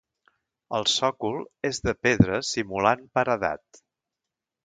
El sòcol és de pedra simulant paredat.